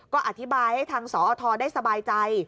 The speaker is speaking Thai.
ก็อธิบายให้ทางสอทได้สบายใจ